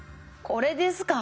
これですか？